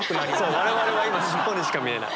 そう我々は今しっぽにしか見えない。